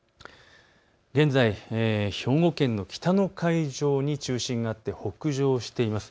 現在、兵庫県の北の海上に中心があって北上しています。